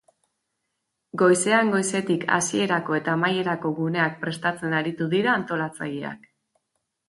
Goizean goizetik hasierako eta amaierako guneak prestatzen aritu dira antolatzaileak.